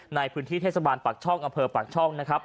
ในพื้นที่เทศบาลปากช่องอำเภอปากช่องนะครับ